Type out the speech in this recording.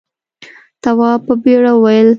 تواب په بېره وویل.